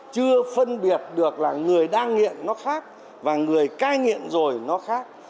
chưa phân biệt được là người đang nghiện nó khác và người cai nghiện rồi nó khác